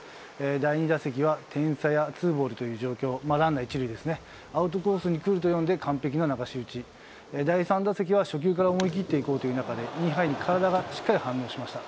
第２打席は、点差やツーボールという状況、ランナー１塁ですね、アウトコースに来ると読んで、完璧な流し打ち、第３打席は初球から思い切っていこうという中で、インハイに体がしっかりと反応しました。